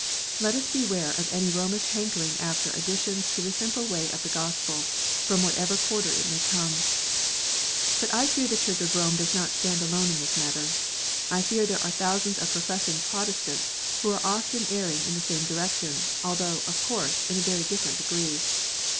Let us beware of any Romish hankering after additions to the simple way of the Gospel, from whatever quarter it may come. But I fear the Church of Rome does not stand alone in this matter. I fear there are thousands of professing Protestants who are often erring in the same direction, although, of course, in a very different degree.